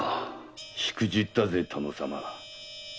しくじったぜ殿様。